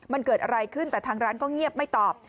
มันเกิดอะไรขึ้นแต่ทางร้านก็เงียบไม่ตอบ